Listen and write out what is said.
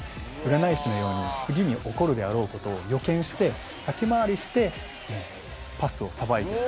占い師のように次に起こるであろうことを予見して、先回りしてパスをさばいている。